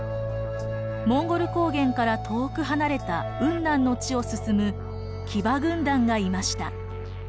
モンゴル高原から遠く離れた雲南の地を進む騎馬軍団がいました。